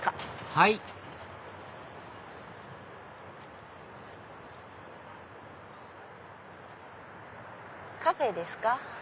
はいカフェですか。